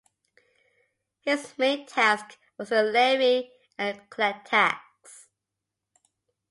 His main task was to levy and collect tax.